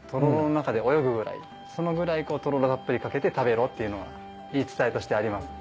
そのぐらいとろろたっぷりかけて食べろっていうのは言い伝えとしてあります。